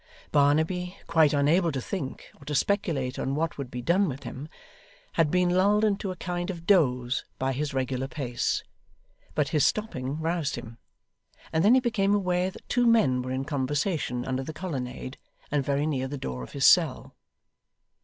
Barnaby, quite unable to think, or to speculate on what would be done with him, had been lulled into a kind of doze by his regular pace; but his stopping roused him; and then he became aware that two men were in conversation under the colonnade, and very near the door of his cell.